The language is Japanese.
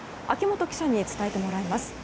秋本記者に伝えてもらいます。